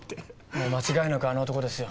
もう間違いなくあの男ですよ。